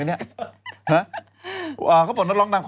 นักร้อง